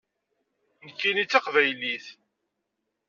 Nekkini d taqbaylit.